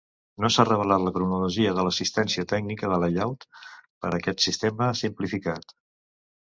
No s'ha revelat la cronologia de l'assistència tècnica de Layout per aquest sistema simplificat.